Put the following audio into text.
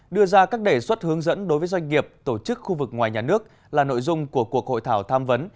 đưa ra các đề xuất hướng dẫn đối với doanh nghiệp tổ chức khu vực ngoài nhà nước là nội dung của cuộc hội thảo tham vấn